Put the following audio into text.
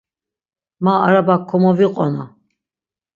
Ma araba komoviqona.